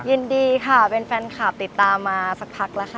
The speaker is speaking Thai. ยินดีค่ะเป็นแฟนคลับติดตามมาสักพักแล้วค่ะ